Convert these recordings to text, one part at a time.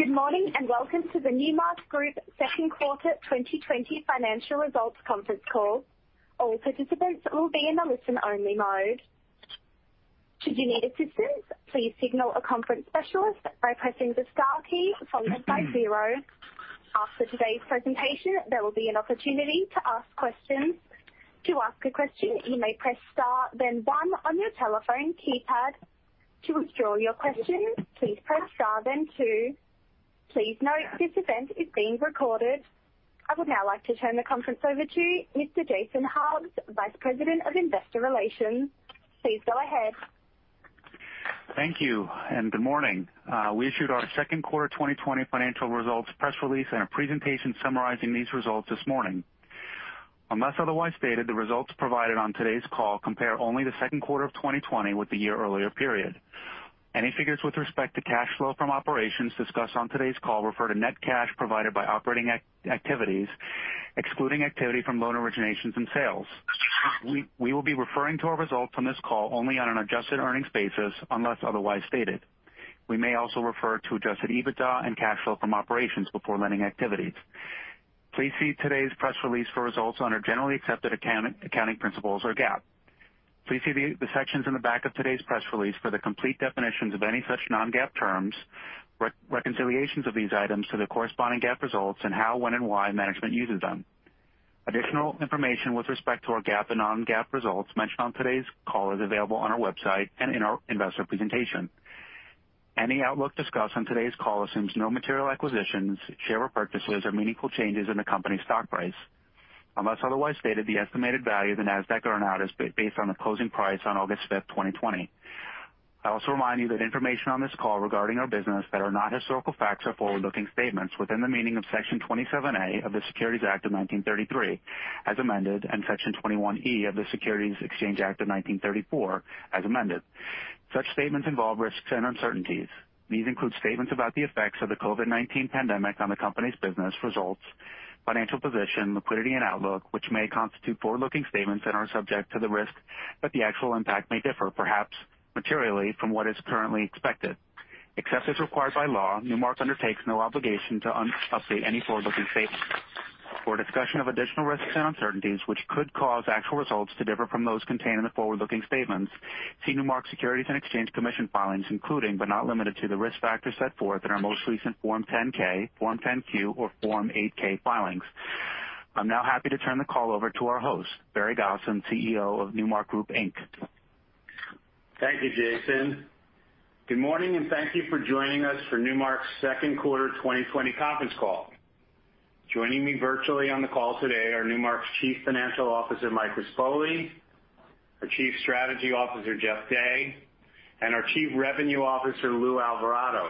Good morning, and welcome to the Newmark Group second quarter 2020 financial results conference call. All participants will be in the listen-only mode. Should you need assistance, please signal a conference specialist by pressing the star key followed by zero. After today's presentation, there will be an opportunity to ask questions. To ask a question, you may press star then one on your telephone keypad. To withdraw your question, please press star then two. Please note this event is being recorded. I would now like to turn the conference over to Mr. Jason McGruder, Vice President of Investor Relations. Please go ahead. Thank you, and good morning. We issued our second quarter 2020 financial results press release and a presentation summarizing these results this morning. Unless otherwise stated, the results provided on today's call compare only the second quarter of 2020 with the year earlier period. Any figures with respect to cash flow from operations discussed on today's call refer to net cash provided by operating activities, excluding activity from loan originations and sales. We will be referring to our results on this call only on an adjusted earnings basis unless otherwise stated. We may also refer to adjusted EBITDA and cash flow from operations before lending activities. Please see today's press release for results under generally accepted accounting principles or GAAP. Please see the sections in the back of today's press release for the complete definitions of any such non-GAAP terms, reconciliations of these items to the corresponding GAAP results, and how, when, and why management uses them. Additional information with respect to our GAAP and non-GAAP results mentioned on today's call is available on our website and in our investor presentation. Any outlook discussed on today's call assumes no material acquisitions, share repurchases, or meaningful changes in the company's stock price. Unless otherwise stated, the estimated value of the NASDAQ earn-out is based on the closing price on August fifth, 2020. I also remind you that information on this call regarding our business that are not historical facts are forward-looking statements within the meaning of Section 27A of the Securities Act of 1933, as amended, and Section 21E of the Securities Exchange Act of 1934, as amended. Such statements involve risks and uncertainties. These include statements about the effects of the COVID-19 pandemic on the company's business results, financial position, liquidity, and outlook, which may constitute forward-looking statements and are subject to the risk that the actual impact may differ, perhaps materially, from what is currently expected. Except as required by law, Newmark undertakes no obligation to update any forward-looking statements. For a discussion of additional risks and uncertainties which could cause actual results to differ from those contained in the forward-looking statements, see Newmark Securities and Exchange Commission filings, including, but not limited to, the risk factors set forth in our most recent Form 10-K, Form 10-Q, or Form 8-K filings. I'm now happy to turn the call over to our host, Barry Gosin, CEO of Newmark Group, Inc. Thank you, Jason. Good morning, and thank you for joining us for Newmark's second quarter 2020 conference call. Joining me virtually on the call today are Newmark's Chief Financial Officer, Mike Rispoli, our Chief Strategy Officer, Jeff Day, and our Chief Revenue Officer, Lou Alvarado.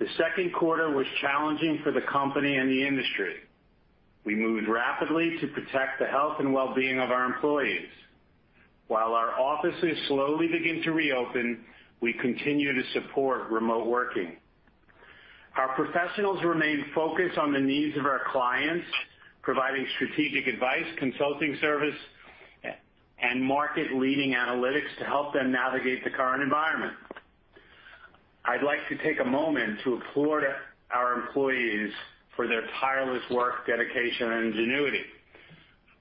The second quarter was challenging for the company and the industry. We moved rapidly to protect the health and well-being of our employees. While our offices slowly begin to reopen, we continue to support remote working. Our professionals remain focused on the needs of our clients, providing strategic advice, consulting service, and market-leading analytics to help them navigate the current environment. I'd like to take a moment to applaud our employees for their tireless work, dedication, and ingenuity.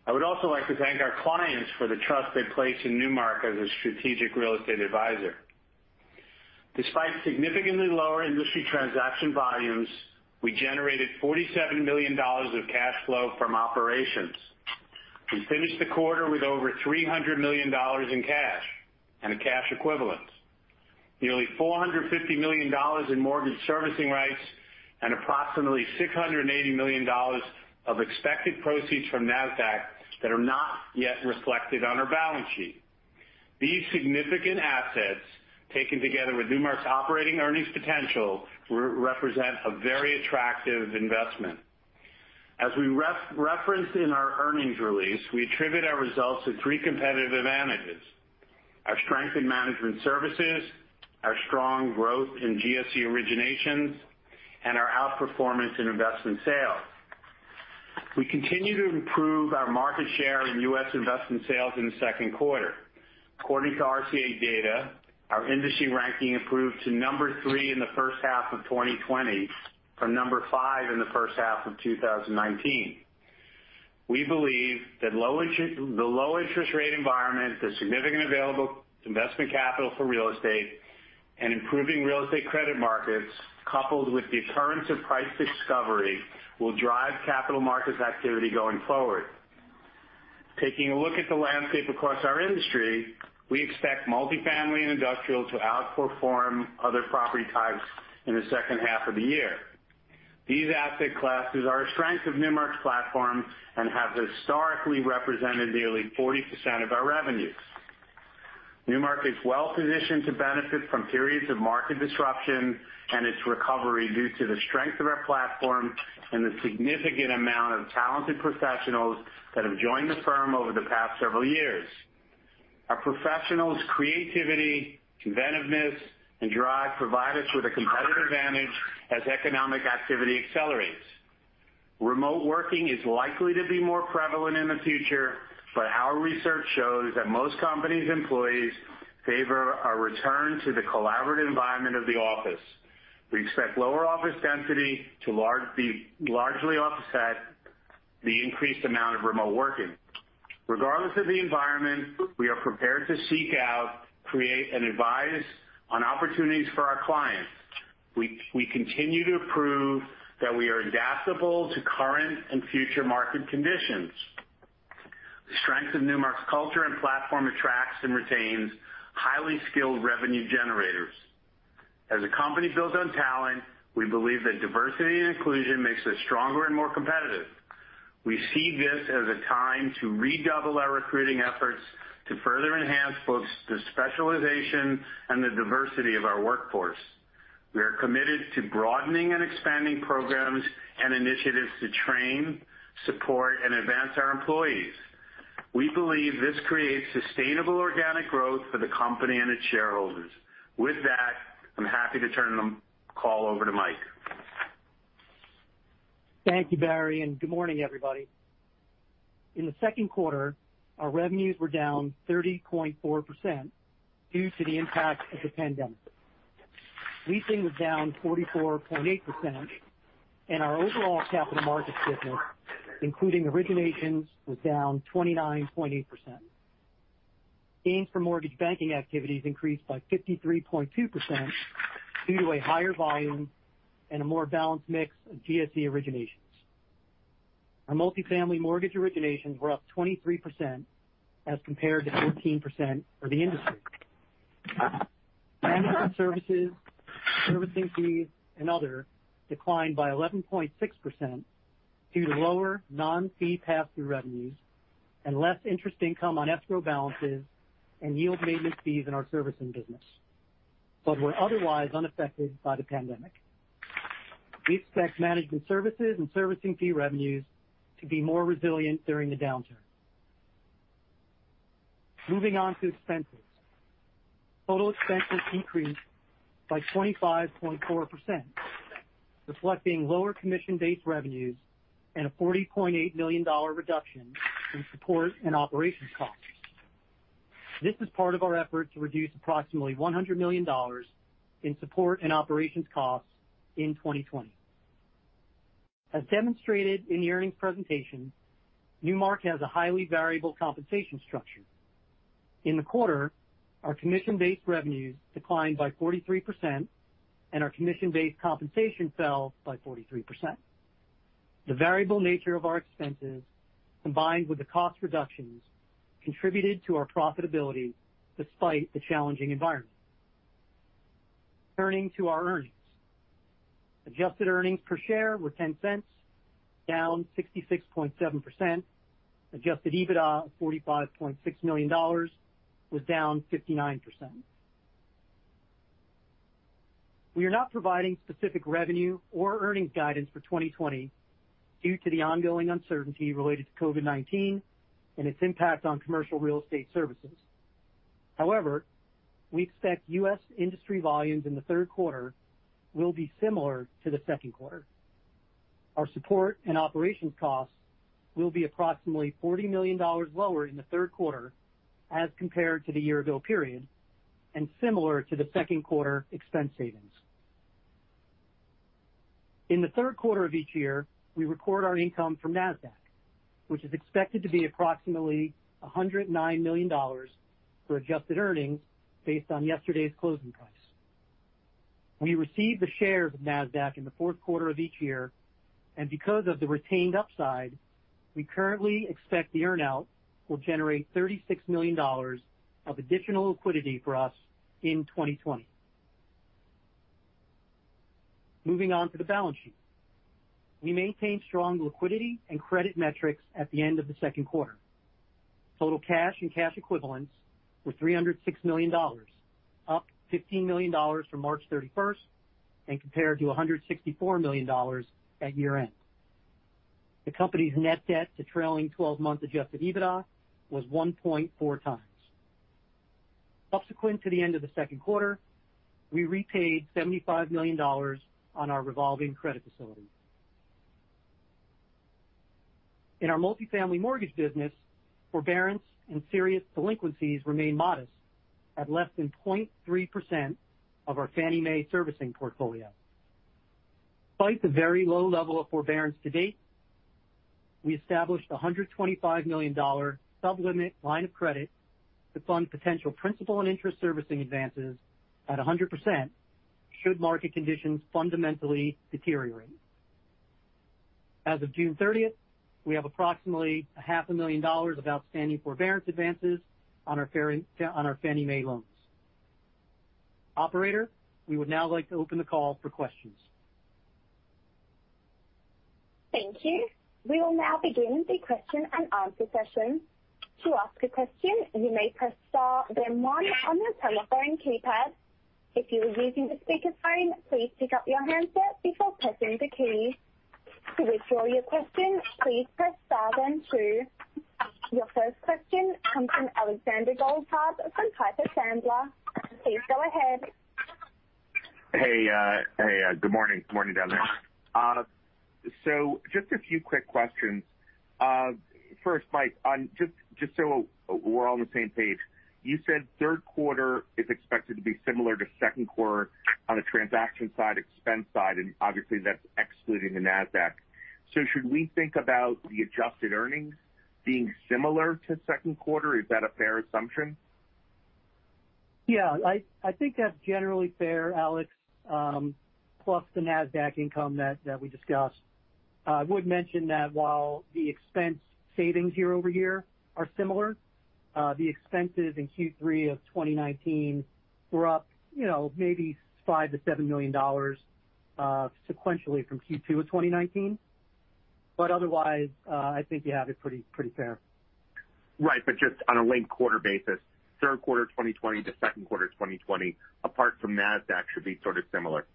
I would also like to thank our clients for the trust they place in Newmark as a strategic real estate advisor. Despite significantly lower industry transaction volumes, we generated $47 million of cash flow from operations. We finished the quarter with over $300 million in cash and cash equivalents, nearly $450 million in mortgage servicing rights, and approximately $680 million of expected proceeds from NASDAQ that are not yet reflected on our balance sheet. These significant assets, taken together with Newmark's operating earnings potential, represent a very attractive investment. As we referenced in our earnings release, we attribute our results to three competitive advantages: our strength in management services, our strong growth in GSE originations, and our outperformance in investment sales. We continue to improve our market share in U.S. investment sales in the second quarter. According to RCA data, our industry ranking improved to number three in the first half of 2020 from number five in the first half of 2019. We believe that the low interest rate environment, the significant available investment capital for real estate, and improving real estate credit markets, coupled with the occurrence of price discovery, will drive capital markets activity going forward. Taking a look at the landscape across our industry, we expect multifamily and industrial to outperform other property types in the second half of the year. These asset classes are a strength of Newmark's platform and have historically represented nearly 40% of our revenues. Newmark is well-positioned to benefit from periods of market disruption and its recovery due to the strength of our platform and the significant amount of talented professionals that have joined the firm over the past several years. Our professionals' creativity, inventiveness, and drive provide us with a competitive advantage as economic activity accelerates. Remote working is likely to be more prevalent in the future, but our research shows that most companies' employees favor a return to the collaborative environment of the office. We expect lower office density to largely offset the increased amount of remote working. Regardless of the environment, we are prepared to seek out, create, and advise on opportunities for our clients. We continue to prove that we are adaptable to current and future market conditions. The strength of Newmark's culture and platform attracts and retains highly skilled revenue generators. As a company built on talent, we believe that diversity and inclusion makes us stronger and more competitive. We see this as a time to redouble our recruiting efforts to further enhance both the specialization and the diversity of our workforce. We are committed to broadening and expanding programs and initiatives to train, support, and advance our employees. We believe this creates sustainable organic growth for the company and its shareholders. With that, I am happy to turn the call over to Mike. Thank you, Barry, and good morning, everybody. In the second quarter, our revenues were down 30.4% due to the impact of the pandemic. Leasing was down 44.8%, and our overall capital markets business, including originations, was down 29.8%. Gains from mortgage banking activities increased by 53.2% due to a higher volume and a more balanced mix of GSE originations. Our multifamily mortgage originations were up 23% as compared to 14% for the industry. Management services, servicing fees, and other declined by 11.6% due to lower non-fee pass-through revenues and less interest income on escrow balances and yield maintenance fees in our servicing business but were otherwise unaffected by the pandemic. We expect management services and servicing fee revenues to be more resilient during the downturn. Moving on to expenses. Total expenses increased by 25.4%, reflecting lower commission-based revenues and a $40.8 million reduction in support and operations costs. This is part of our effort to reduce approximately $100 million in support and operations costs in 2020. As demonstrated in the earnings presentation, Newmark has a highly variable compensation structure. In the quarter, our commission-based revenues declined by 43%, and our commission-based compensation fell by 43%. The variable nature of our expenses, combined with the cost reductions, contributed to our profitability despite the challenging environment. Turning to our earnings. Adjusted earnings per share were $0.10, down 66.7%. Adjusted EBITDA of $45.6 million was down 59%. We are not providing specific revenue or earnings guidance for 2020 due to the ongoing uncertainty related to COVID-19 and its impact on commercial real estate services. However, we expect US industry volumes in the third quarter will be similar to the second quarter. Our support and operations costs will be approximately $40 million lower in the third quarter as compared to the year ago period, and similar to the second quarter expense savings. In the third quarter of each year, we record our income from NASDAQ, which is expected to be approximately $109 million for adjusted earnings based on yesterday's closing price. We received the shares of NASDAQ in the fourth quarter of each year, and because of the retained upside, we currently expect the earn-out will generate $36 million of additional liquidity for us in 2020. Moving on to the balance sheet. We maintained strong liquidity and credit metrics at the end of the second quarter. Total cash and cash equivalents were $306 million, up $15 million from March 31st, and compared to $164 million at year-end. The company's net debt to trailing 12-month adjusted EBITDA was 1.4 times. Subsequent to the end of the second quarter, we repaid $75 million on our revolving credit facility. In our multifamily mortgage business, forbearance and serious delinquencies remain modest at less than 0.3% of our Fannie Mae servicing portfolio. Despite the very low level of forbearance to date, we established a $125 million sub-limit line of credit to fund potential principal and interest servicing advances at 100% should market conditions fundamentally deteriorate. As of June 30th, we have approximately $500,000 of outstanding forbearance advances on our Fannie Mae loans. Operator, we would now like to open the call for questions. Thank you. We will now begin the question and answer session. To ask a question, you may press star then one on your telephone keypad. If you are using the speakerphone, please pick up your handset before pressing the key. To withdraw your question, please press star then two. Your first question comes from Alexander Goldfarb from Piper Sandler. Please go ahead. Hey. Good morning. Good morning down there. Just a few quick questions. First, Mike, just so we're all on the same page, you said third quarter is expected to be similar to second quarter on a transaction side, expense side, and obviously that's excluding the NASDAQ. Should we think about the adjusted earnings being similar to second quarter? Is that a fair assumption? I think that's generally fair, Alex, plus the NASDAQ income that we discussed. I would mention that while the expense savings year-over-year are similar, the expenses in Q3 of 2019 were up maybe $5 million-$7 million sequentially from Q2 of 2019. Otherwise, I think you have it pretty fair. Right. Just on a linked-quarter basis, third quarter 2020 to second quarter 2020, apart from NASDAQ, should be sort of similar.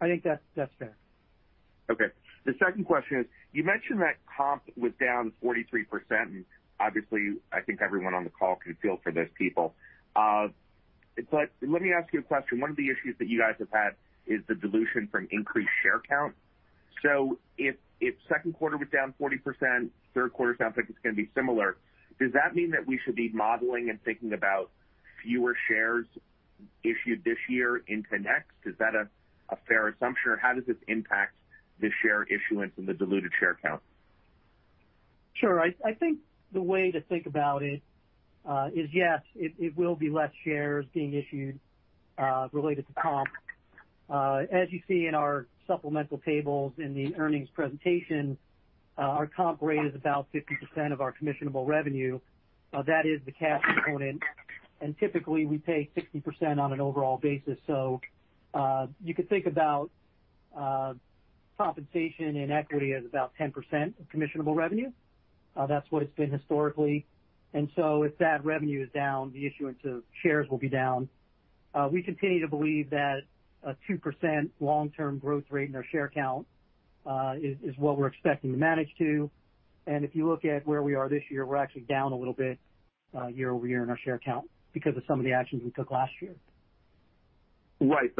I think that's fair. Okay. The second question is, you mentioned that comp was down 43%, and obviously I think everyone on the call can feel for those people. Let me ask you a question. One of the issues that you guys have had is the dilution from increased share count. If second quarter was down 40%, third quarter sounds like it's going to be similar, does that mean that we should be modeling and thinking about fewer shares issued this year into next? Is that a fair assumption, or how does this impact the share issuance and the diluted share count? Sure. I think the way to think about it is, yes, it will be less shares being issued related to comp. As you see in our supplemental tables in the earnings presentation, our comp rate is about 50% of our commissionable revenue. That is the cash component. Typically, we pay 60% on an overall basis. You could think about compensation and equity as about 10% of commissionable revenue. That's what it's been historically. If that revenue is down, the issuance of shares will be down. We continue to believe that a 2% long-term growth rate in our share count is what we're expecting to manage to. If you look at where we are this year, we're actually down a little bit year-over-year in our share count because of some of the actions we took last year. Right.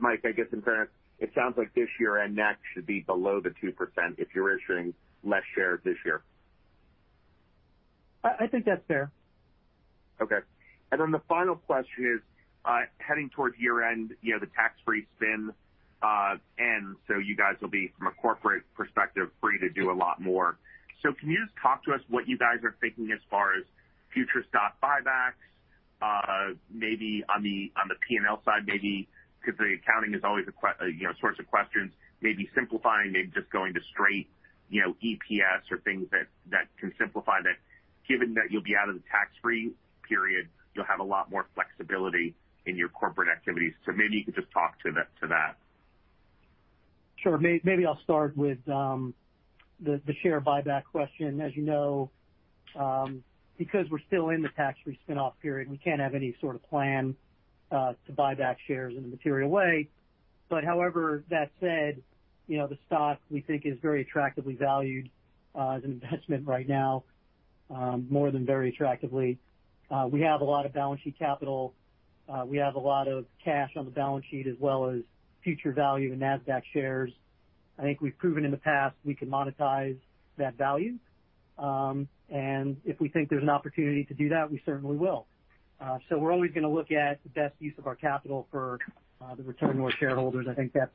Mike, I guess in fairness, it sounds like this year and next should be below the 2% if you're issuing less shares this year. I think that's fair. Okay. The final question is, heading towards year-end, the tax-free spin ends, so you guys will be, from a corporate perspective, free to do a lot more. Can you just talk to us what you guys are thinking as far as future stock buybacks, maybe on the P&L side maybe, because the accounting is always a source of questions, maybe simplifying, maybe just going to straight EPS or things that can simplify that. Given that you'll be out of the tax-free period, you'll have a lot more flexibility in your corporate activities. Maybe you could just talk to that. Sure. Maybe I'll start with the share buyback question. As you know, because we're still in the tax-free spin-off period, we can't have any sort of plan to buy back shares in a material way. However, that said, the stock we think is very attractively valued as an investment right now, more than very attractively. We have a lot of balance sheet capital. We have a lot of cash on the balance sheet as well as future value in NASDAQ shares. I think we've proven in the past we can monetize that value. If we think there's an opportunity to do that, we certainly will. We're always going to look at the best use of our capital for the return to our shareholders. I think that's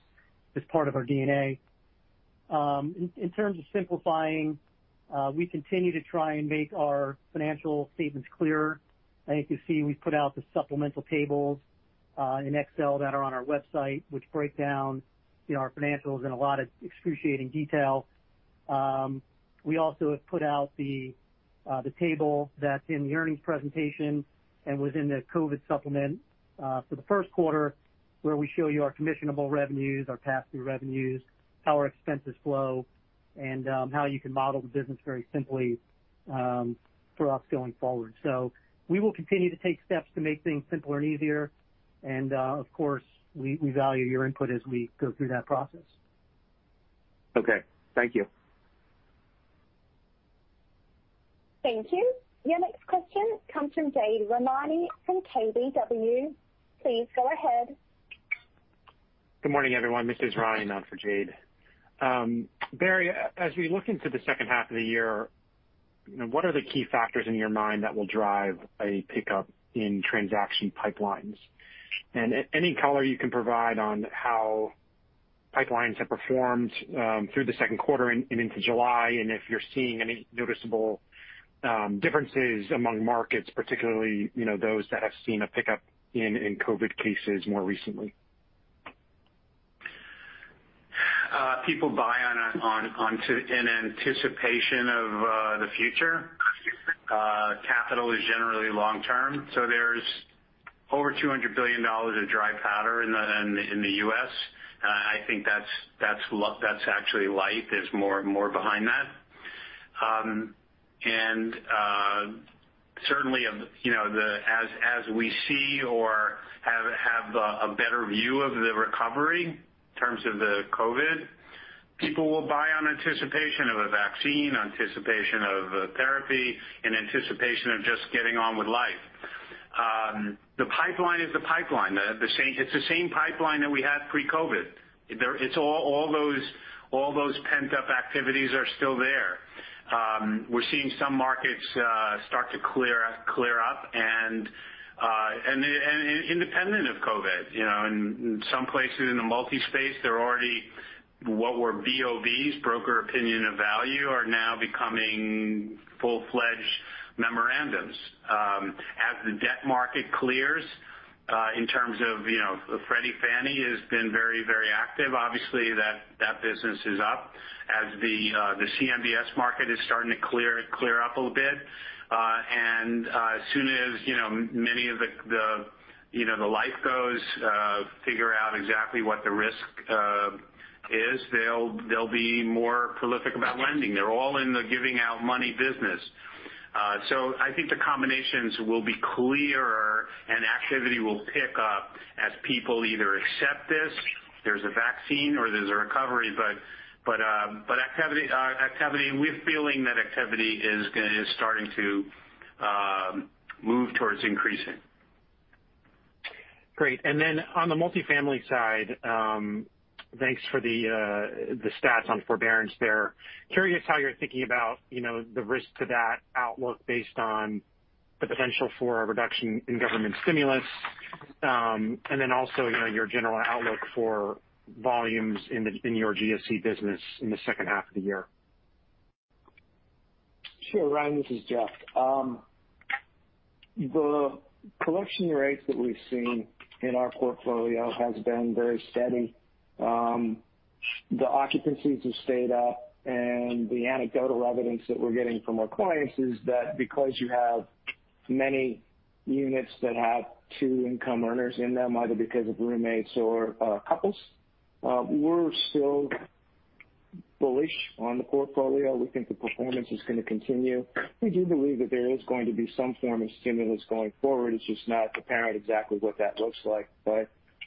just part of our DNA. In terms of simplifying, we continue to try and make our financial statements clearer. I think you see we've put out the supplemental tables in Excel that are on our website, which break down our financials in a lot of excruciating detail. We also have put out the table that's in the earnings presentation and was in the COVID supplement for the first quarter, where we show you our commissionable revenues, our pass-through revenues, how our expenses flow, and how you can model the business very simply for us going forward. We will continue to take steps to make things simpler and easier. Of course, we value your input as we go through that process. Okay. Thank you. Thank you. Your next question comes from Jade Rahmani from KBW. Please go ahead. Good morning, everyone. This is Ryan on for Jade. Barry, as we look into the second half of the year, what are the key factors in your mind that will drive a pickup in transaction pipelines? Any color you can provide on how pipelines have performed through the second quarter and into July, and if you're seeing any noticeable differences among markets, particularly those that have seen a pickup in COVID-19 cases more recently. People buy in anticipation of the future. Capital is generally long-term. There's over $200 billion of dry powder in the U.S. I think that's actually light. There's more behind that. Certainly, as we see or have a better view of the recovery in terms of the COVID. People will buy on anticipation of a vaccine, anticipation of a therapy, and anticipation of just getting on with life. The pipeline is the pipeline. It's the same pipeline that we had pre-COVID. All those pent-up activities are still there. We're seeing some markets start to clear up and independent of COVID. In some places in the multi space, they're already what were BOVs, broker opinion of value, are now becoming full-fledged memorandums. As the debt market clears in terms of Freddie, Fannie has been very active. Obviously, that business is up as the CMBS market is starting to clear up a little bit. As soon as many of the lifecos figure out exactly what the risk is, they'll be more prolific about lending. They're all in the giving out money business. I think the combinations will be clearer and activity will pick up as people either accept this, there's a vaccine or there's a recovery. We're feeling that activity is starting to move towards increasing. Great. On the multifamily side, thanks for the stats on forbearance there. Curious how you're thinking about the risk to that outlook based on the potential for a reduction in government stimulus, also your general outlook for volumes in your GSE business in the second half of the year? Sure, Ryan, this is Jeff. The collection rates that we've seen in our portfolio has been very steady. The occupancies have stayed up, the anecdotal evidence that we're getting from our clients is that because you have many units that have two income earners in them, either because of roommates or couples, we're still bullish on the portfolio. We think the performance is going to continue. We do believe that there is going to be some form of stimulus going forward. It's just not apparent exactly what that looks like.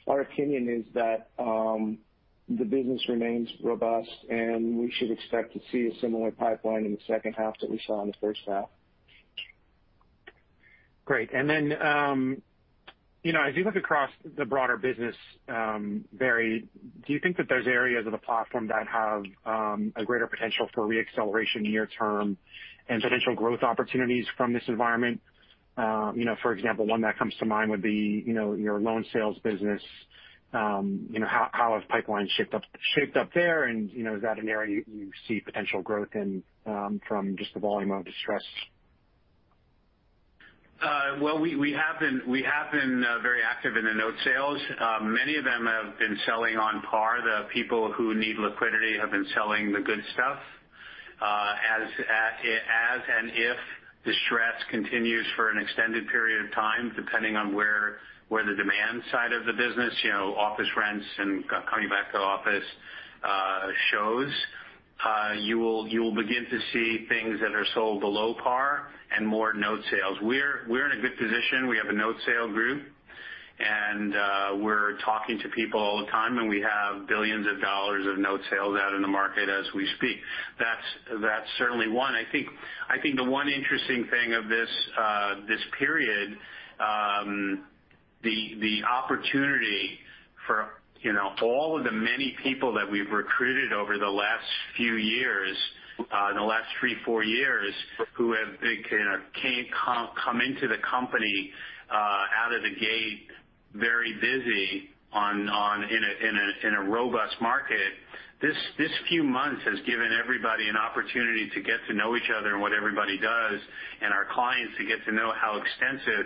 Our opinion is that the business remains robust, and we should expect to see a similar pipeline in the second half that we saw in the first half. Great. As you look across the broader business, Barry, do you think that there's areas of the platform that have a greater potential for re-acceleration near term and potential growth opportunities from this environment? For example, one that comes to mind would be your loan sales business. How have pipelines shaped up there, and is that an area you see potential growth in from just the volume of distress? Well, we have been very active in the note sales. Many of them have been selling on par. The people who need liquidity have been selling the good stuff. As and if distress continues for an extended period of time, depending on where the demand side of the business, office rents and coming back to office shows, you'll begin to see things that are sold below par and more note sales. We're in a good position. We have a note sale group, and we're talking to people all the time, and we have billions of dollars of note sales out in the market as we speak. That's certainly one. I think the one interesting thing of this period, the opportunity for all of the many people that we've recruited over the last few years, the last three, four years, who have come into the company out of the gate very busy in a robust market. This few months has given everybody an opportunity to get to know each other and what everybody does, and our clients to get to know how extensive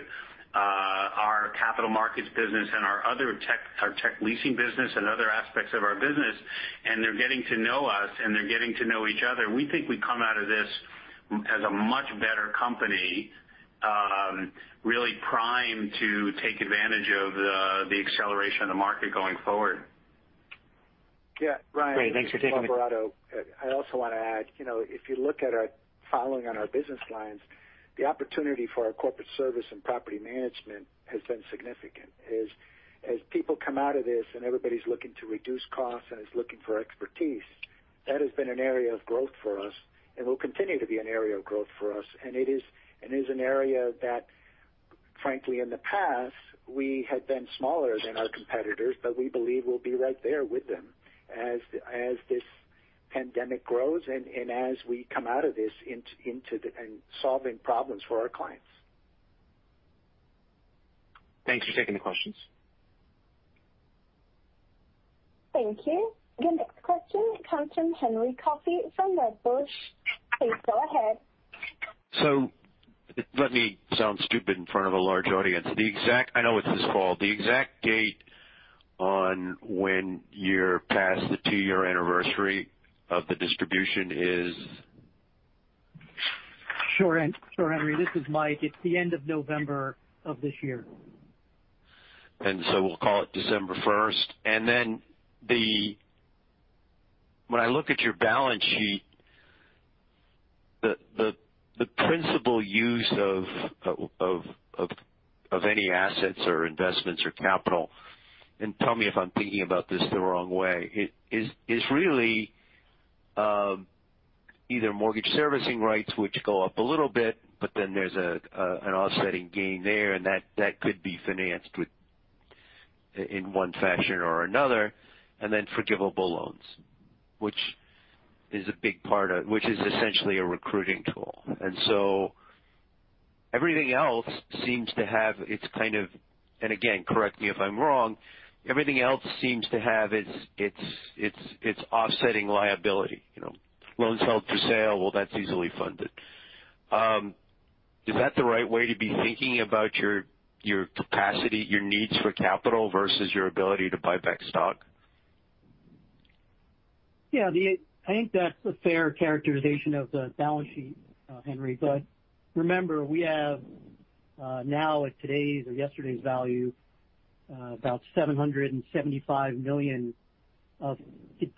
our capital markets business and our tech leasing business and other aspects of our business. They're getting to know us, and they're getting to know each other. We think we come out of this as a much better company, really primed to take advantage of the acceleration of the market going forward. Yeah. Ryan. Great. Thanks for taking. This is Alvarado. I also want to add, if you look at our following on our business lines, the opportunity for our corporate service and property management has been significant. As people come out of this and everybody's looking to reduce costs and is looking for expertise, that has been an area of growth for us and will continue to be an area of growth for us. It is an area that, frankly, in the past, we had been smaller than our competitors, but we believe we'll be right there with them as this pandemic grows and as we come out of this and solving problems for our clients. Thanks for taking the questions. Thank you. Your next question comes from Henry Coffey from Wedbush. Please go ahead. Let me sound stupid in front of a large audience. I know it's his fault. The exact date on when you're past the two-year anniversary of the distribution is? Sure, Henry. This is Mike. It's the end of November of this year. We'll call it December 1st. When I look at your balance sheet The principal use of any assets or investments or capital, tell me if I'm thinking about this the wrong way, is really either mortgage servicing rights, which go up a little bit, but then there's an offsetting gain there, that could be financed in one fashion or another, forgivable loans, which is essentially a recruiting tool. Again, correct me if I'm wrong, everything else seems to have its offsetting liability. Loans held for sale, well, that's easily funded. Is that the right way to be thinking about your capacity, your needs for capital versus your ability to buy back stock? Yeah. I think that's a fair characterization of the balance sheet, Henry. Remember, we have now at today's or yesterday's value about $775 million of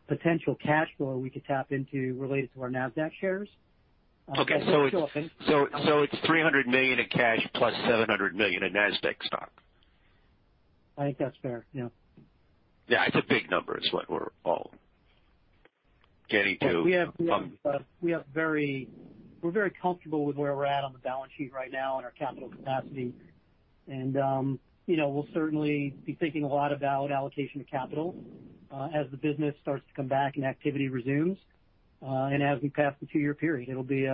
potential cash flow we could tap into related to our NASDAQ shares. Okay. So It's $300 million in cash plus $700 million in NASDAQ stock. I think that's fair, yeah. Yeah. It's a big number. It's what we're all getting to. We're very comfortable with where we're at on the balance sheet right now and our capital capacity. We'll certainly be thinking a lot about allocation of capital as the business starts to come back and activity resumes, and as we pass the two-year period. It'll be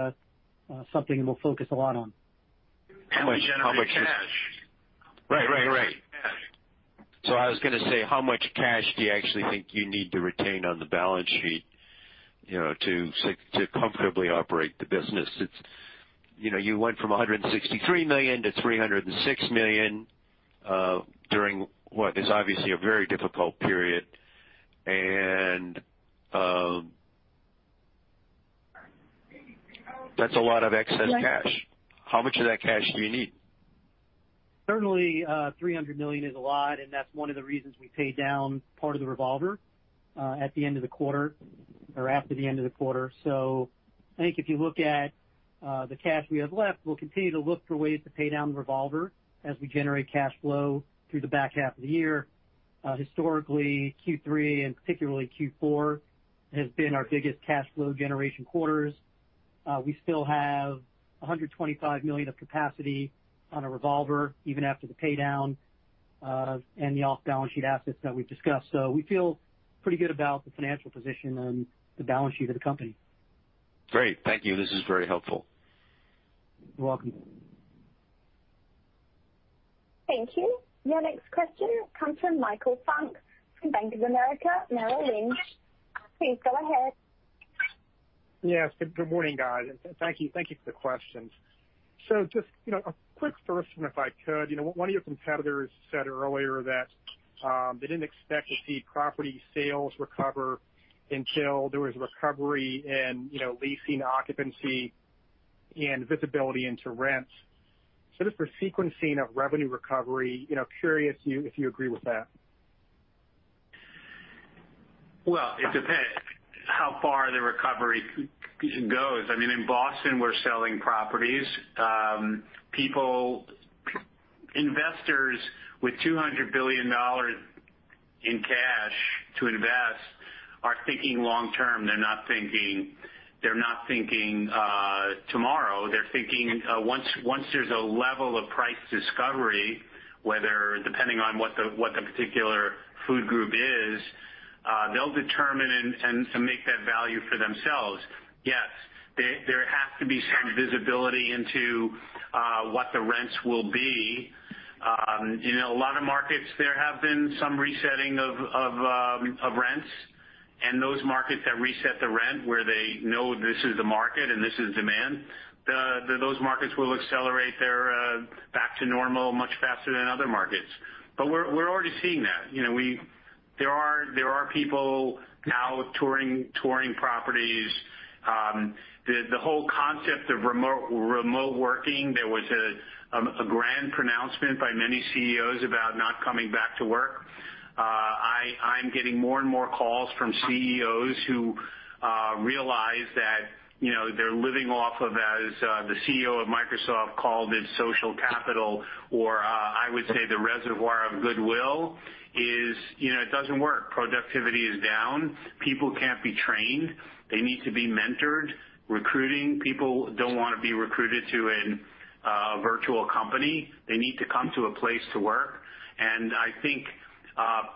something that we'll focus a lot on. How much cash? Right. I was going to say, how much cash do you actually think you need to retain on the balance sheet to comfortably operate the business? You went from $163 million-$306 million, during what is obviously a very difficult period. That's a lot of excess cash. How much of that cash do you need? Certainly, $300 million is a lot. That's one of the reasons we paid down part of the revolver at the end of the quarter or after the end of the quarter. I think if you look at the cash we have left, we'll continue to look for ways to pay down the revolver as we generate cash flow through the back half of the year. Historically, Q3 and particularly Q4 has been our biggest cash flow generation quarters. We still have $125 million of capacity on a revolver, even after the pay down, the off-balance sheet assets that we've discussed. We feel pretty good about the financial position and the balance sheet of the company. Great. Thank you. This is very helpful. You're welcome. Thank you. Your next question comes from Michael Funk from Bank of America Merrill Lynch. Please go ahead. Yes. Good morning, guys. Thank you for the questions. Just a quick first one if I could. One of your competitors said earlier that they didn't expect to see property sales recover until there was recovery in leasing occupancy and visibility into rents. Just for sequencing of revenue recovery, curious if you agree with that. Well, it depends how far the recovery goes. In Boston, we're selling properties. Investors with $200 billion in cash to invest are thinking long term. They're not thinking tomorrow. They're thinking once there's a level of price discovery, depending on what the particular food group is, they'll determine and make that value for themselves. Yes, there has to be some visibility into what the rents will be. A lot of markets there have been some resetting of rents. Those markets that reset the rent where they know this is the market and this is demand, those markets will accelerate back to normal much faster than other markets. We're already seeing that. There are people now touring properties. The whole concept of remote working, there was a grand pronouncement by many CEOs about not coming back to work. I'm getting more and more calls from CEOs who realize that they're living off of, as the CEO of Microsoft called it, social capital, or I would say the reservoir of goodwill is it doesn't work. Productivity is down, people can't be trained, they need to be mentored. Recruiting people don't want to be recruited to a virtual company. They need to come to a place to work. I think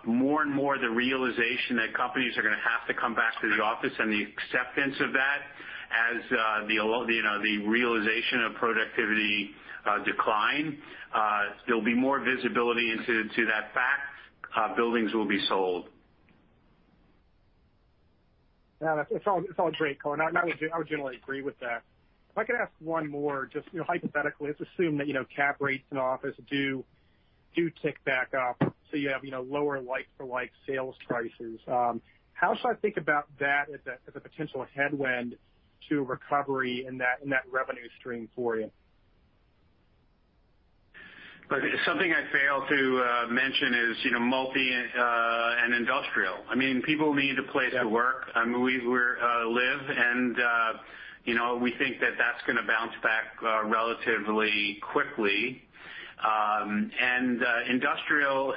more and more the realization that companies are going to have to come back to the office and the acceptance of that as the realization of productivity decline. There'll be more visibility into that fact. Buildings will be sold. Yeah. It's all great. I would generally agree with that. If I could ask one more, just hypothetically, let's assume that cap rates in office do tick back up, so you have lower like-for-like sales prices. How should I think about that as a potential headwind to recovery in that revenue stream for you? Something I failed to mention is multi and industrial. People need a place to work, where we live, and we think that that's going to bounce back relatively quickly. Industrial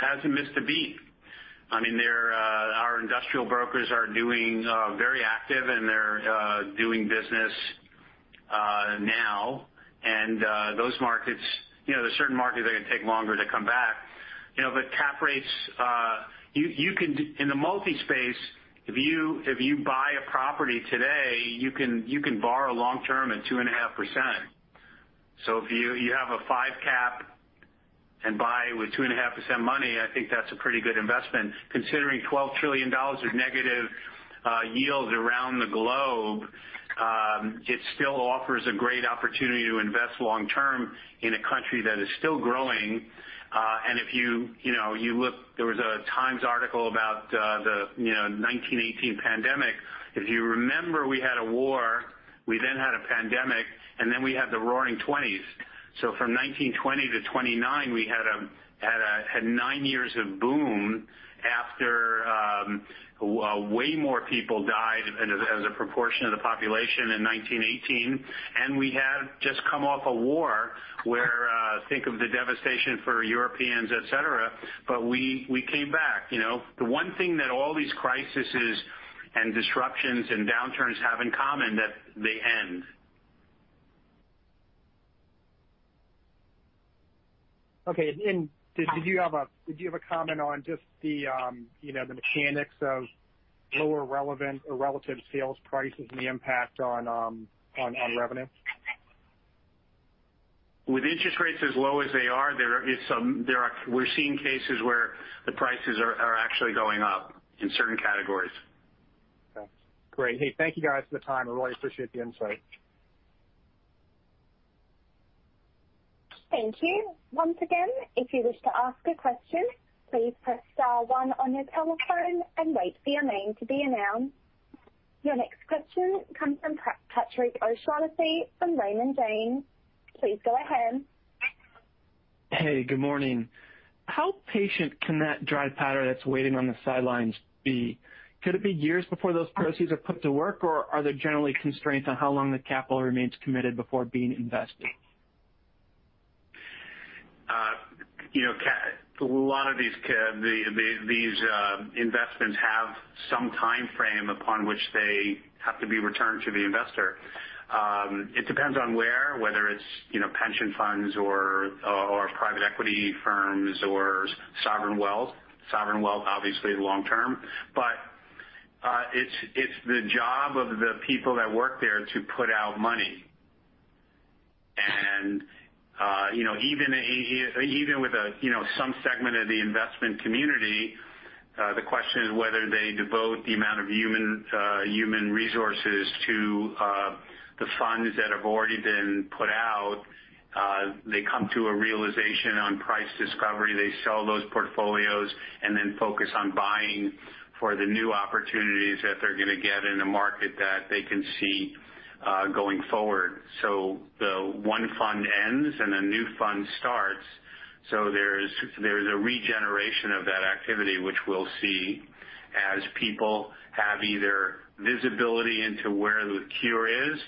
hasn't missed a beat. Our industrial brokers are very active, and they're doing business now. There's certain markets that are going to take longer to come back. Cap rates, in the multi space, if you buy a property today, you can borrow long-term at 2.5%. If you have a 5% cap and buy with 2.5% money, I think that's a pretty good investment considering $12 trillion of negative yields around the globe. It still offers a great opportunity to invest long-term in a country that is still growing. If you look, there was a Times article about the 1918 pandemic. If you remember, we had a war, we then had a pandemic, we had the Roaring 1920s. From 1920 to 1929, we had nine years of boom after way more people died as a proportion of the population in 1918. We had just come off a war where, think of the devastation for Europeans, et cetera. We came back. The one thing that all these crises and disruptions and downturns have in common, that they end. Okay. Did you have a comment on just the mechanics of lower relevant or relative sales prices and the impact on revenue? With interest rates as low as they are, we're seeing cases where the prices are actually going up in certain categories. Okay. Great. Hey, thank you guys for the time. I really appreciate the insight. Thank you. Once again, if you wish to ask a question, please press star one on your telephone and wait for your name to be announced. Your next question comes from Patrick O'Shaughnessy from Raymond James. Please go ahead. Hey, good morning. How patient can that dry powder that's waiting on the sidelines be? Could it be years before those proceeds are put to work, or are there generally constraints on how long the capital remains committed before being invested? A lot of these investments have some timeframe upon which they have to be returned to the investor. It depends on where, whether it's pension funds or private equity firms or sovereign wealth. Sovereign wealth, obviously long-term. It's the job of the people that work there to put out money. Even with some segment of the investment community, the question is whether they devote the amount of human resources to the funds that have already been put out. They come to a realization on price discovery. They sell those portfolios and then focus on buying for the new opportunities that they're going to get in the market that they can see going forward. The one fund ends, and a new fund starts. There's a regeneration of that activity, which we'll see as people have either visibility into where the cure is,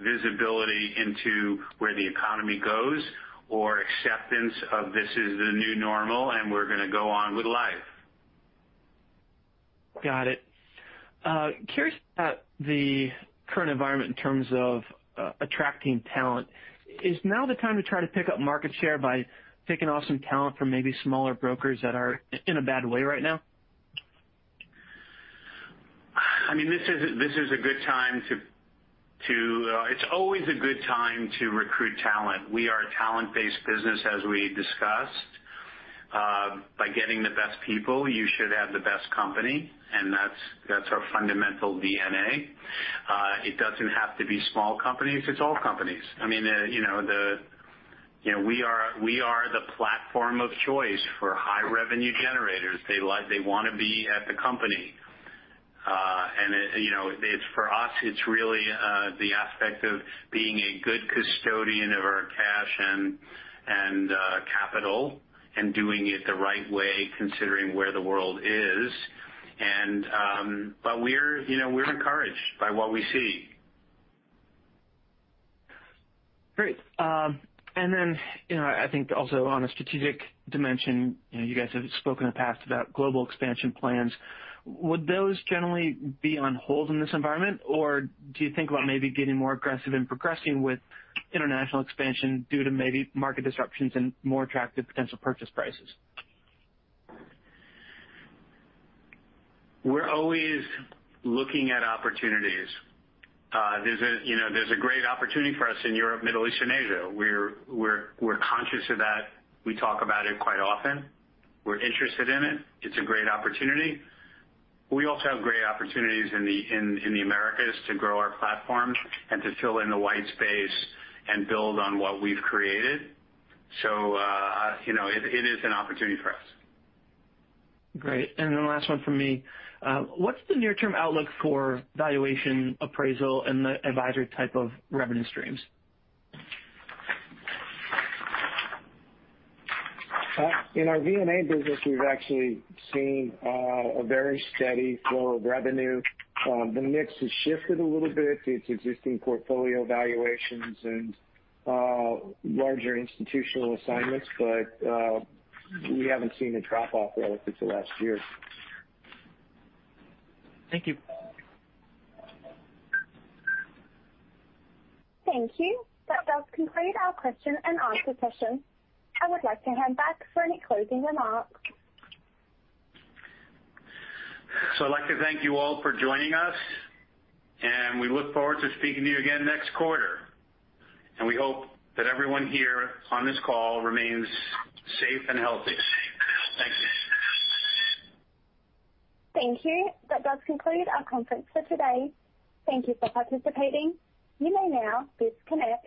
visibility into where the economy goes, or acceptance of this is the new normal, and we're going to go on with life. Got it. Curious about the current environment in terms of attracting talent. Is now the time to try to pick up market share by picking off some talent from maybe smaller brokers that are in a bad way right now? It's always a good time to recruit talent. We are a talent-based business, as we discussed. By getting the best people, you should have the best company, and that's our fundamental DNA. It doesn't have to be small companies, it's all companies. We are the platform of choice for high revenue generators. They want to be at the company. For us, it's really the aspect of being a good custodian of our cash and capital and doing it the right way, considering where the world is. We're encouraged by what we see. Great. I think also on a strategic dimension, you guys have spoken in the past about global expansion plans. Would those generally be on hold in this environment, or do you think about maybe getting more aggressive and progressing with international expansion due to maybe market disruptions and more attractive potential purchase prices? We're always looking at opportunities. There's a great opportunity for us in Europe, Middle East, and Asia. We're conscious of that. We talk about it quite often. We're interested in it. It's a great opportunity. We also have great opportunities in the Americas to grow our platform and to fill in the white space and build on what we've created. It is an opportunity for us. Great. Last one from me. What's the near-term outlook for valuation appraisal and the advisory type of revenue streams? In our VNA business, we've actually seen a very steady flow of revenue. The mix has shifted a little bit to existing portfolio valuations and larger institutional assignments, but we haven't seen a drop-off relative to last year. Thank you. Thank you. That does conclude our question and answer session. I would like to hand back for any closing remarks. I'd like to thank you all for joining us, and we look forward to speaking to you again next quarter. We hope that everyone here on this call remains safe and healthy. Thank you. Thank you. That does conclude our conference for today. Thank you for participating. You may now disconnect.